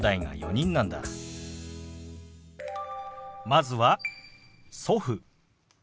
まずは「祖父」。